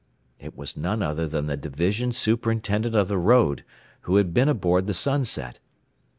It was none other than the division superintendent of the road, who had been aboard the Sunset.